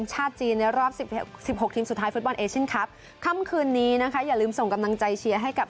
มากที่สุดอย่างที่พี่ตั้งใจนะครับ